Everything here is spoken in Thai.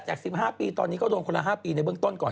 จาก๑๕ปีก็โดงคนละ๕ปีในเบื้องต้นก่อน